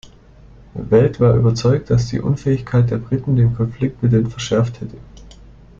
Weld war überzeugt, dass die Unfähigkeit der Briten den Konflikt mit den verschärft hatte.